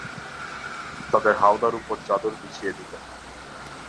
তাদের হাওদার উপর চাদর বিছিয়ে দিতেন।